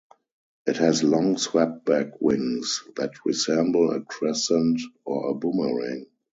It has long swept-back wings that resemble a crescent or a boomerang.